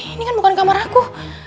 ini kan bukan kamar aku